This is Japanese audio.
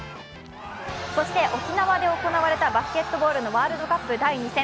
沖縄で行われたバスケットボールのワールドカップ第２戦。